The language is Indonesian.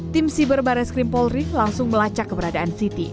tim siber bareng skrim polri langsung melacak keberadaan siti